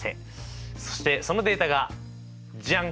そしてそのデータがジャン！